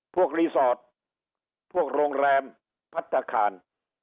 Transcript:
รีสอร์ทพวกโรงแรมพัฒนาคาร